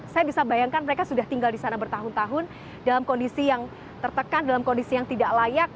saya bisa bayangkan mereka sudah tinggal di sana bertahun tahun dalam kondisi yang tertekan dalam kondisi yang tidak layak